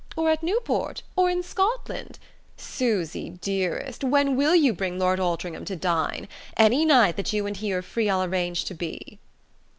or at Newport... or in Scotland ... Susy, dearest, when will you bring Lord Altringham to dine? Any night that you and he are free I'll arrange to be...."